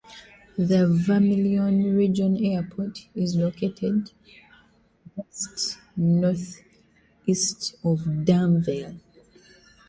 The Vermilion Regional Airport is located just northeast of Danville.